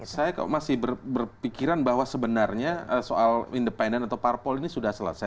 saya kok masih berpikiran bahwa sebenarnya soal independen atau parpol ini sudah selesai